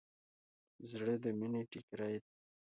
زړه د مینې ټیکری دی.